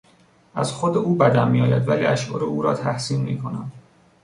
از خود او بدم میآید ولی اشعار او را تحسین میکنم.